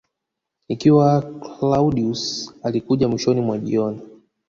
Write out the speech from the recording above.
Ikiwa Claudius alikuja mwishoni mwa jioni